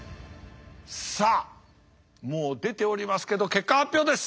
さあもう出ておりますけど結果発表です。